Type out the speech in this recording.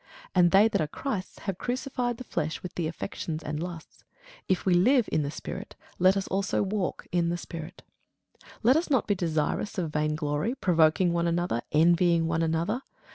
And they that are Christ's have crucified the flesh with the affections and lusts. If we live in the Spirit, let us also walk in the Spirit. [Sidenote: Romans 1] Let us not be desirous of vain glory, provoking one another, envying one another.